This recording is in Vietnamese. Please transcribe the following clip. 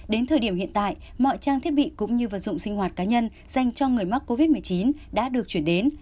đến thời điểm hiện tại mọi trang thiết bị cũng như vật dụng sinh hoạt cá nhân dành cho người mắc covid một mươi chín đã được chuyển đến